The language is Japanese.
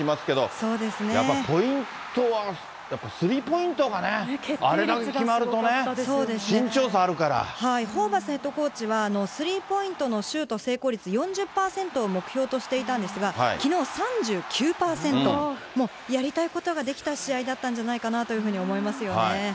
やっぱポイントは、スリーポイントがね、あれが決まるとね、ホーバスヘッドコーチは、スリーポイントのシュート成功率４０％を目標としていたんですが、きのう３９％、もうやりたいことができた試合だったんじゃないかなというふうに思いますよね。